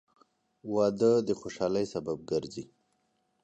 • واده د خوشحالۍ سبب ګرځي.